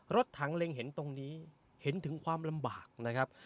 รถถังเล็งเห็นตรงนี้เห็นถึงความลำบากนะครับ